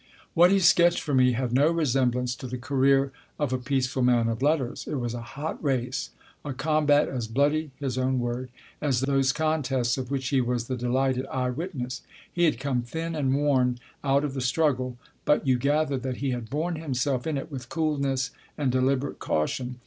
What he sketched for me had no resemblance to the career of a peaceful man of letters. It was a hot race, a combat as bloody (his own word) as those contests of which he was the delighted eye witness. He had come thin and worn out of the struggle, but you gath'ered that he had borne himself in it with coolness and deliberate caution.